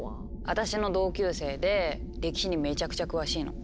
私の同級生で歴史にめちゃくちゃ詳しいの。